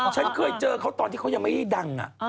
ฉันเคยเจอเขาตอนที่เขายังไม่ได้ดัง